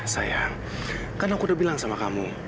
sayang kan aku udah bilang sama kamu